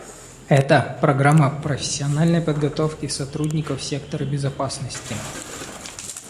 Это — программа профессиональной подготовки сотрудников сектора безопасности.